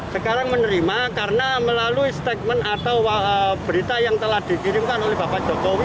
sekarang menerima karena melalui statement atau berita yang telah dikirimkan oleh bapak jokowi